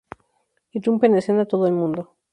Irrumpe en escena todo el mundo.